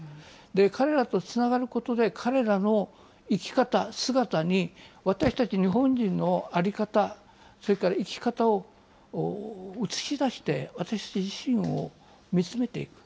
彼らとつながることで、彼らの生き方、姿に私たち日本人の在り方、それから生き方を映し出して、私自身を見つめていく。